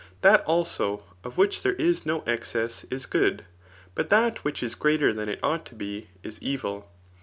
That, also, of which there is no excess is good ; but that which is greater than it ought to be is evil.